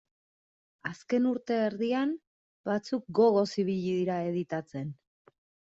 Azken urte erdian batzuk gogoz ibili dira editatzen.